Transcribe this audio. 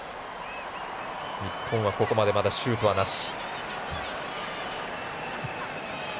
日本はここまでまだシュートは、なし。